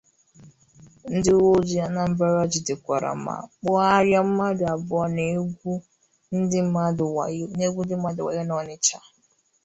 ndị uweojii Anambra jidèkwàrà ma kpụgharịa mmadụ abụọ na-egwu ndị mmadụ wàyó n'Ọnịsha.